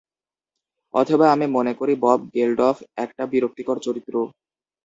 অথবা আমি মনে করি বব গেল্ডফ একটা বিরক্তিকর চরিত্র।